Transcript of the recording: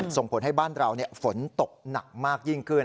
ส่งผลให้บ้านเราฝนตกหนักมากยิ่งขึ้น